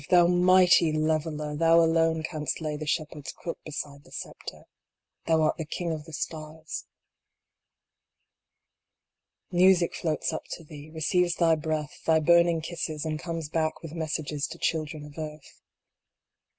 thou Mighty Leveler, Thou alone canst lay the shepherd s crook beside the sceptre, Thou art the King of the Stars. Music floats up to thee, receives thy breath, thy burning kisses, and comes back with messages to children of earth.